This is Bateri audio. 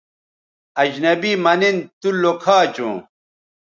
اجنبی مہ نِن تو لوکھا چوں